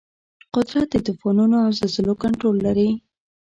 قدرت د طوفانونو او زلزلو کنټرول لري.